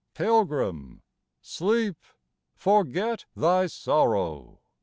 Pilgrim, sleep ! forget thy sorrow